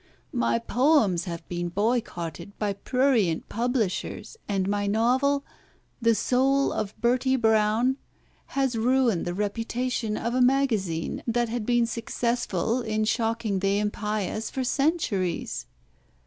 My poems have been boycotted by prurient publishers; and my novel, 'The Soul of Bertie Brown,' has ruined the reputation of a magazine that had been successful in shocking the impious for centuries.